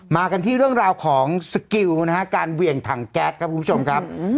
มากันที่เรื่องราวของสกิลนะฮะการเหวี่ยงถังแก๊สครับคุณผู้ชมครับ